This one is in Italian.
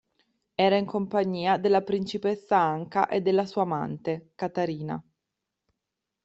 Era in compagnia della Principessa Anka e della sua amante, Katarina.